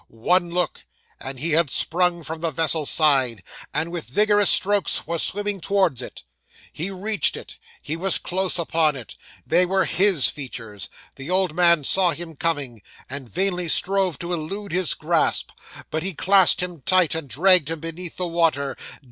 One look, and he had sprung from the vessel's side, and with vigorous strokes was swimming towards it. He reached it; he was close upon it. They were _his _features. The old man saw him coming, and vainly strove to elude his grasp. But he clasped him tight, and dragged him beneath the water.